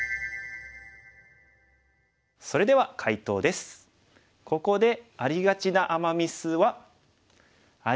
それでは解答です。